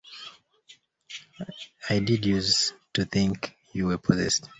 I did use to think you were possessed.